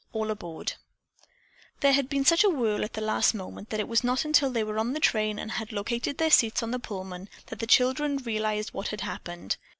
ALL ABOARD There had been such a whirl at the last moment that it was not until they were on the train and had located their seats on the Pullman, that the children realized what had happened.